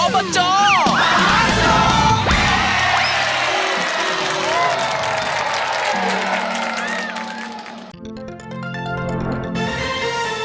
อบจมหาสนุก